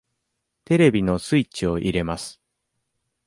テレビのスイッチを入れます。